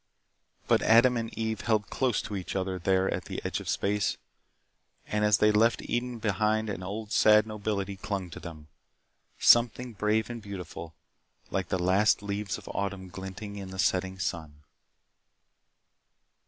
But Adam and Eve held close to each other there at the edge of space and as they left Eden behind an old sad nobility clung to them. Something brave and beautiful, like the last leaves of autumn glinting in the setting sun.